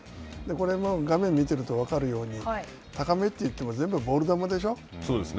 これも画面を見ていると分かるように、高めといっても、全部ボール球でしょう？